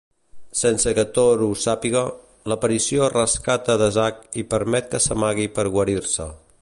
Sense que Thor ho sàpiga, l'aparició rescata Desak i permet que s'amagui per guarir-se.